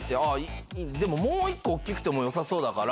もう１個大きくてもよさそうだから。